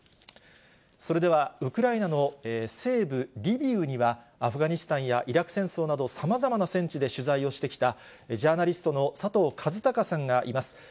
それではウクライナの西部リビウには、アフガニスタンやイラク戦争など、さまざまな戦地で取材をしてきたジャーナリストの佐藤和孝さんがいます。